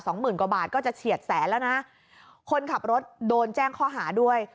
หมื่นกว่าบาทก็จะเฉียดแสนแล้วนะคนขับรถโดนแจ้งข้อหาด้วย